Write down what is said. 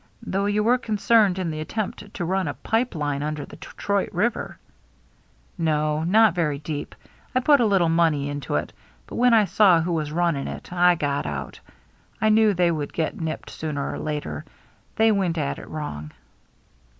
Though you were concerned in the attempt to run a pipe line under the Detroit River." " No, not very deep. I put a little money into it, but when I saw who was running it, I HARBOR LIGHTS 389 got out. I knew they would get nipped sooner or later. They went at it wrong."